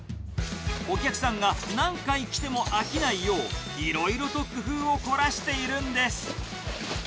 お客さんが何回来ても飽きないよう、いろいろと工夫を凝らしているんです。